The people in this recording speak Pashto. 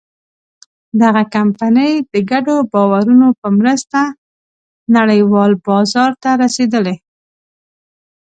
دغه کمپنۍ د ګډو باورونو په مرسته نړۍوال بازار ته رسېدلې.